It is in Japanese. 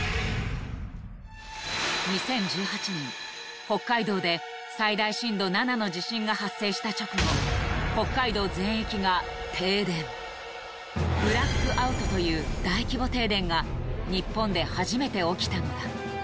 ２０１８年北海道で最大震度７の地震が発生した直後ブラックアウトという大規模停電が日本で初めて起きたのだ